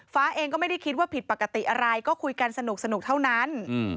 เองก็ไม่ได้คิดว่าผิดปกติอะไรก็คุยกันสนุกเท่านั้น